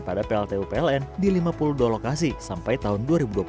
pada pltu pln di lima puluh dua lokasi sampai tahun dua ribu dua puluh satu